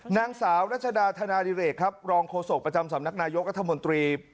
นางสาวรัชดาธนาดิเรกครับรองโฆษกประจำสำนักนายกรัฐมนตรี